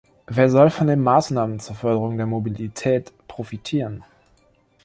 Wer soll von den Maßnahmen zur Förderung der Mobilität profitieren?